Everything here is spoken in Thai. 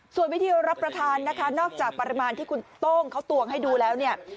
ส่วนวิธีรับประทานนะคะนอกจากปริมาณที่คุณโต้งเขาตวงให้ดูแล้วเนี่ย